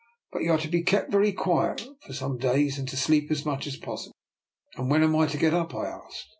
" But you are to be kept very quiet for some days, and to sleep as much as possible." '* And when am I to get up? " I asked.